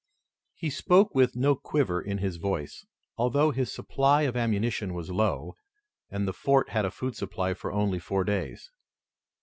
He spoke with no quiver in his voice, although his supply of ammunition was low, and the fort had a food supply for only four days.